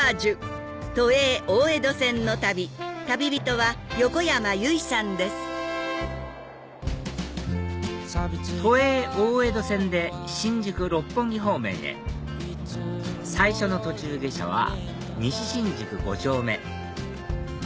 はい都営大江戸線で新宿六本木方面へ最初の途中下車は西新宿五丁目